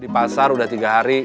di pasar udah tiga hari